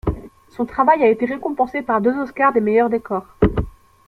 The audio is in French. Son travail a été récompensé par deux Oscar des meilleurs décors.